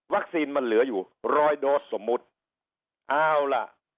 มันเหลืออยู่ร้อยโดสสมมุติเอาล่ะ